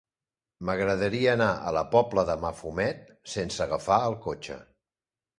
M'agradaria anar a la Pobla de Mafumet sense agafar el cotxe.